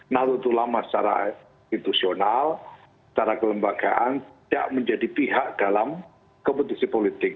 nahdlatul ulama secara institusional secara kelembagaan tidak menjadi pihak dalam kompetisi politik